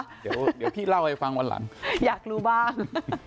เดี๋ยวพี่เล่าให้ฟังวันหลังอยากรู้บ้าง